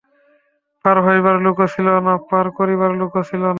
পার হইবার লোকও ছিল না, পার করিবার লোকও ছিল না।